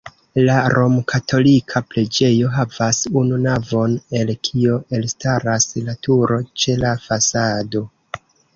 La romkatolika preĝejo havas unu navon, el kio elstaras la turo ĉe la fasado.